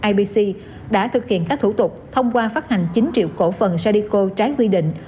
ibc đã thực hiện các thủ tục thông qua phát hành chín triệu cổ phần sadico trái quy định